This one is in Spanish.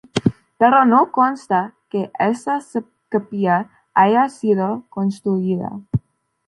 Pero no consta que esa capilla haya sido construida.